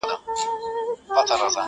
حقيقت پوښتنه کوي له انسانه.